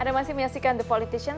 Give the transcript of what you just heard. anda masih menyaksikan the politician